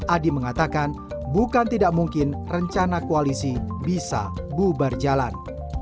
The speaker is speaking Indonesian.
adi mengatakan bukan tidak mungkin rencana koalisi bisa bubar jalan